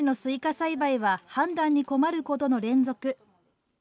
栽培は、判断に困ることの連続。